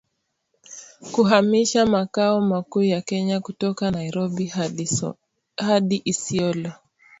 Kuhamisha makao makuu ya Kenya kutoka Nairobi hadi Isiolo